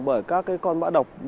bởi các con mã độc